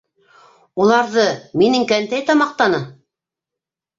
Уларҙы... минең кәнтәй тамаҡтаны.